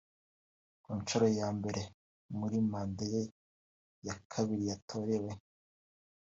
Ku nshuro ya mbere muri manda ye ya kabiri yatorewe